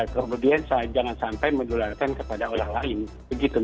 kemudian jangan sampai menularkan kepada orang lain